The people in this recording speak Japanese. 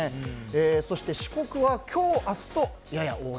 そして四国は今日、明日とやや多い。